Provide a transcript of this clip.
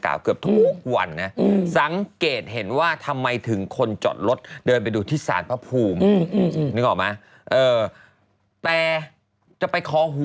แล้วก็ตลกเลยรู้ป่ะ